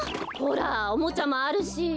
ほらおもちゃもあるし。